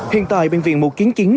hiện tại bệnh viện mù kiến chính